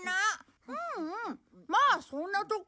うんうんまあそんなとこ。